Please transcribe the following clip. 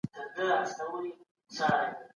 په ټولنه کي بايد مينه او صميميت وي.